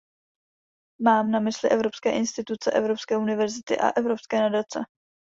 Mám na mysli evropské instituce, evropské univerzity a evropské nadace.